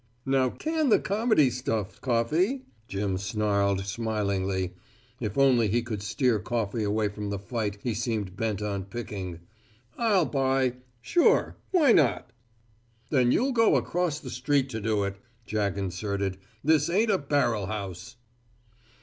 "Now, can the comedy stuff, Coffey," Jim snarled, smilingly. If only he could steer Coffey away from the fight he seemed bent on picking. "I'll buy sure. Why not?" "Then you'll go across the street to do it," Jack inserted. "This ain't a barrel house."